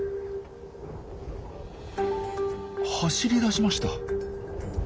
走りだしました。